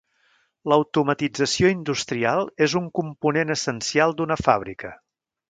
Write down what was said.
L'automatització industrial és un component essencial d'una fàbrica.